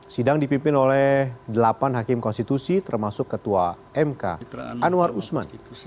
sidang dipimpin oleh delapan hakim konstitusi termasuk ketua mk anwar usman